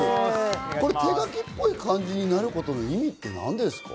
これ手書きっぽい感じになるという意味ってなんですか？